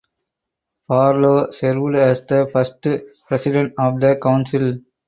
Barlow served as the first president of the council.